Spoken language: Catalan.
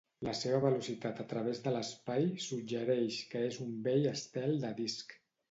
La seva velocitat a través de l'espai suggereix que és un vell estel de disc.